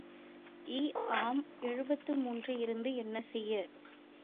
ஈ. ஆம் எழுபத்து மூன்று இருந்து என்ன செய்ய?